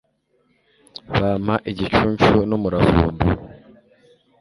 bampa igicuncu n' umuravumba